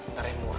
ntar ya nunggu